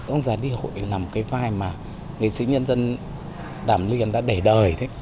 ông già đi hội là một cái vai mà nghệ sĩ nhân dân đàm liên đã để đời